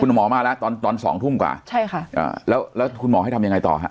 หมอมาแล้วตอนตอนสองทุ่มกว่าใช่ค่ะอ่าแล้วแล้วคุณหมอให้ทำยังไงต่อฮะ